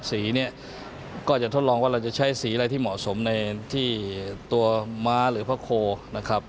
สีเนี่ยก็จะทดลองว่าเราจะใช้สีอะไรที่เหมาะสมในที่ตัวม้าหรือพระโคนะครับ